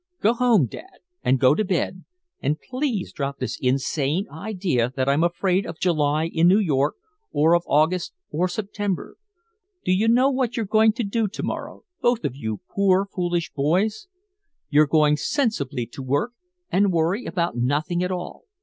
Go home, Dad, and go to bed, and please drop this insane idea that I'm afraid of July in New York, or of August or September. Do you know what you're going to do to morrow, both of you poor foolish boys? You're going sensibly to work and worry about nothing at all.